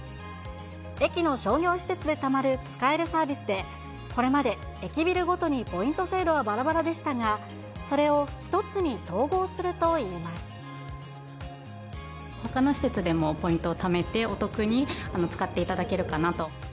駅の商業施設でたまる使えるサービスで、これまで駅ビルごとにポイント制度はばらばらでしたが、ほかの施設でもポイントをためてお得に使っていただけるかなと。